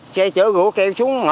xe chở gỗ keo xuống ngỏ